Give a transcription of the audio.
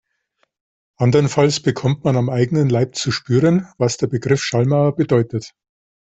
Andernfalls bekommt man am eigenen Leib zu spüren, was der Begriff Schallmauer bedeutet.